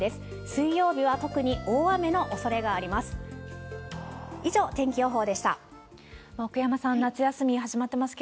水曜日は特に大雨のおそれがあります。